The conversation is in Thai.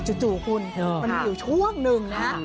จู่คุณมันมีอยู่ช่วงหนึ่งนะฮะ